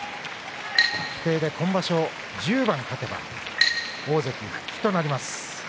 規定で今場所１０番勝てば大関復帰となります。